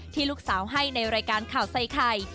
ลูกสาวให้ในรายการข่าวใส่ไข่